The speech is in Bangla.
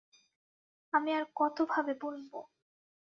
আমি আর কতভাবে বলব?